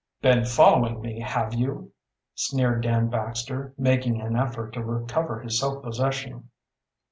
"Been following me, have you?" sneered Dan Baxter, making an effort to recover his self possession.